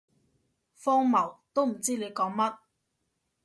荒謬，都唔知你講乜